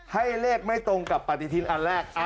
ให้เลขไม่ตรงกับปฏิทินอันแรก